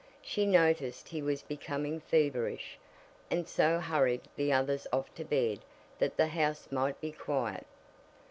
She noticed he was becoming feverish, and so hurried the others off to bed that the house might be quiet.